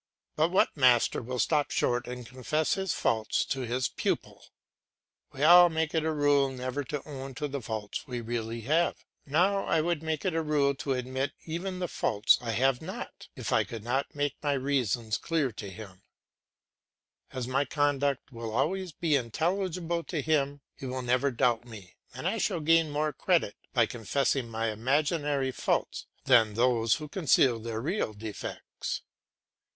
But what master will stop short and confess his faults to his pupil? We all make it a rule never to own to the faults we really have. Now I would make it a rule to admit even the faults I have not, if I could not make my reasons clear to him; as my conduct will always be intelligible to him, he will never doubt me and I shall gain more credit by confessing my imaginary faults than those who conceal their real defects.